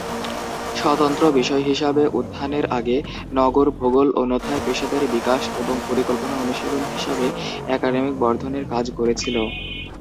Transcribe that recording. স্বতন্ত্র বিষয় হিসাবে উত্থানের আগে, নগর ভূগোল অন্যথায় পেশাদারী বিকাশ এবং পরিকল্পনা অনুশীলন হিসাবে একাডেমিক বর্ধনের কাজ করেছিল।